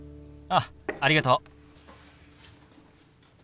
あっありがとう。